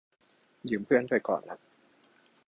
ยืมเพื่อนไปก่อนฮะ